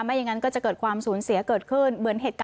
อย่างนั้นก็จะเกิดความสูญเสียเกิดขึ้นเหมือนเหตุการณ์